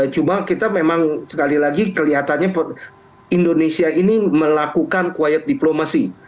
cuma kita memang sekali lagi kelihatannya indonesia ini melakukan quid diplomasi